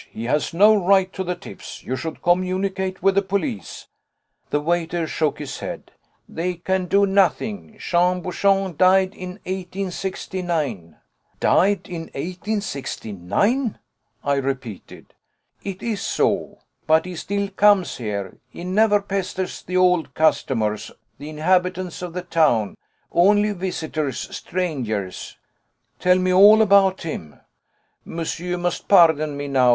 He has no right to the tips. You should communicate with the police." The waiter shook his head. "They can do nothing. Jean Bouchon died in 1869." "Died in 1869!" I repeated. "It is so. But he still comes here. He never pesters the old customers, the inhabitants of the town only visitors, strangers." "Tell me all about him." "Monsieur must pardon me now.